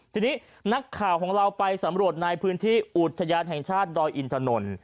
ทีนี้นักข่าวของเราไปสำรวจในพื้นที่อุทยานแห่งชาติดอยอินทนนท์